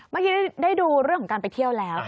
เมื่อกี้ได้ดูเรื่องของการไปเที่ยวแล้ว